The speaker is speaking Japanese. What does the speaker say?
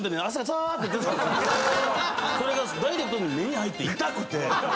それがダイレクトに目に入って痛くて。